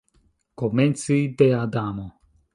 Komenci de Adamo.